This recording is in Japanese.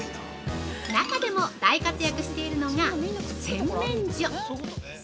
中でも大活躍しているのが、洗面所。